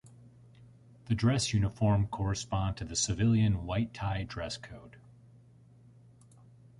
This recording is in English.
The dress uniform correspond to the civilian white tie dress code.